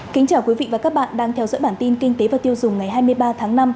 kính chào quý vị và các bạn đang theo dõi bản tin kinh tế và tiêu dùng ngày hai mươi ba tháng năm